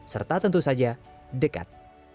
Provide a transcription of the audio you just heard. serta tentu saja dekat